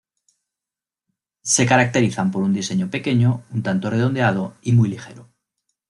Se caracterizan por un diseño pequeño, un tanto redondeado y muy ligero.